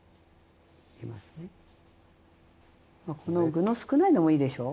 まあこの具の少ないのもいいでしょ。